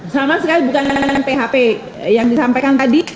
sama sekali bukan dengan php yang disampaikan tadi